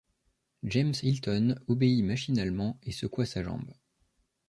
James Hilton obéit machinalement et secoua sa jambe...